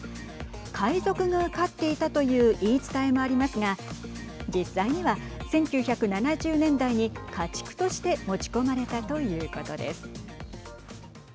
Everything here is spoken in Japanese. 海賊が飼っていたという言い伝えもありますが実際には、１９７０年代に家畜として持ち込まれたということです。